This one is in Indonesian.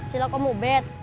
cilok kamu bed